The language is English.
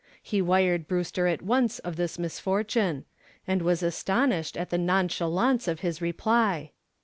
He wired Brewster at once of this misfortune, and was astonished at the nonchalance of his reply.